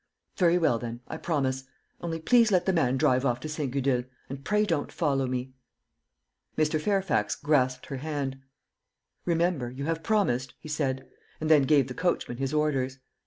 "Very well, then, I promise. Only please let the man drive off to St. Gudule, and pray don't follow me." Mr. Fairfax grasped her hand. "Remember, you have promised," he said, and then gave the coachman his orders.